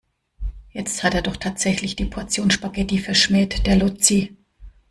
Jetzt hat er doch tatsächlich die Portion Spaghetti verschmäht, der Lotzi.